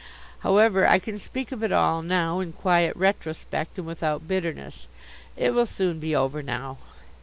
However, I can speak of it all now in quiet retrospect and without bitterness. It will soon be over now.